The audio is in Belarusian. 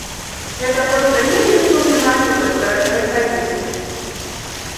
Гэта проста вельмі сумны малюнак пра рэчаіснасць.